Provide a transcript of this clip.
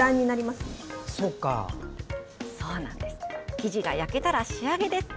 生地が焼けたら仕上げです。